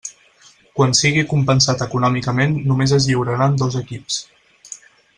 Quan sigui compensat econòmicament només es lliuraran dos equips.